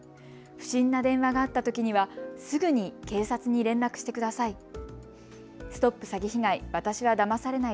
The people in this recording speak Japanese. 不審な電話があったときにはすぐに警察に連絡してください。